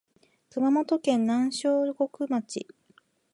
熊本県南小国町